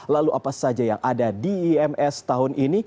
lalu apa saja yang ada di ims tahun ini